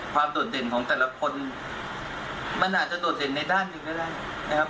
โดดเด่นของแต่ละคนมันอาจจะโดดเด่นในด้านหนึ่งก็ได้นะครับ